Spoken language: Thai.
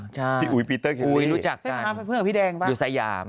พี่อุ๋ยพีเตอร์เคลลี่อยู่สยามพี่อุ๋ยพีเตอร์เคลลี่รู้จักกัน